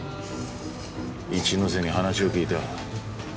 一ノ瀬に話を聞いた。